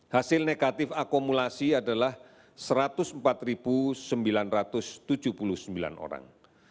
hasil negatif akumulasi adalah satu ratus empat sembilan ratus tujuh puluh sembilan orang